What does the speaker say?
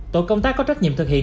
tổ công tác có trách nhiệm thực hiện